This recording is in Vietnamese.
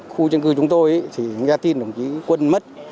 khu dân cư chúng tôi thì nghe tin đồng chí quân mất